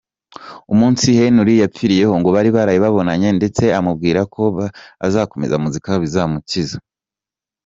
Umunsi Henry yapfiriyeho ngo bari baraye babonanye ndetse amubwira ko nakomeza muzika bizamukiza.